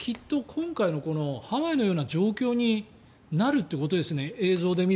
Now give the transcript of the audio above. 今回のハワイのような状況になるということですね。